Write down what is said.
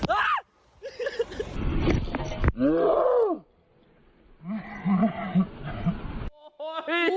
อะไรนะ